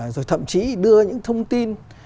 rồi thậm chí đưa những thông tin